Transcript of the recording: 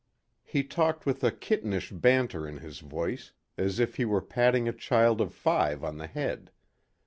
He talked with a kittenish banter in his voice as if he were patting a child of five on the head.